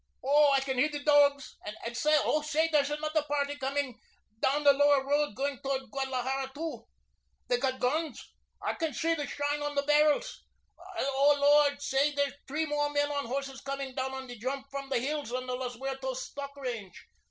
Oh, I can hear the dogs. And, say, oh, say, there's another party coming down the Lower Road, going towards Guadalajara, too. They got guns. I can see the shine of the barrels. And, oh, Lord, say, there's three more men on horses coming down on the jump from the hills on the Los Muertos stock range.